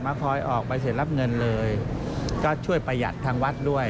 คอยออกไปเสร็จรับเงินเลยก็ช่วยประหยัดทางวัดด้วย